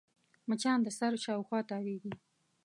مچان د سر شاوخوا تاوېږي